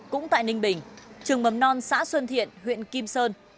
cũng tại ninh bình trường mầm non xã xuân thiện huyện kim sơn